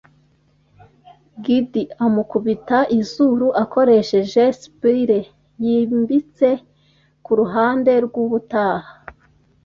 giddy, amukubita izuru, akoresheje spre, yimbitse kuruhande rwubutaha